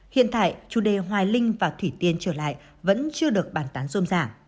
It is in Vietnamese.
hiện tại chủ đề hoài linh và thủy tiên trở lại vẫn chưa được bàn tán rôm giả